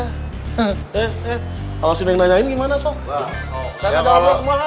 eh kalau siapa yang nanya gimana